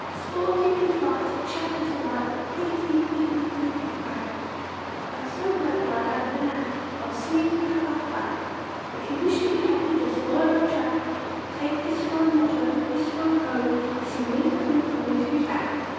Sportive in flight, chatter delight, Click i ti, click i ti clack! I'm so glad that I have the knack Of singing clack! clack! clack! If you wish to be happy, just follow my track, Take this for a motto, this for a code, Sing 'winter, winter, winter is back!